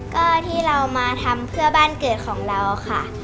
ก็ที่เรามาทำเพื่อบ้านเกิดของเราค่ะ